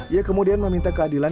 ia kemudian meminta keadilan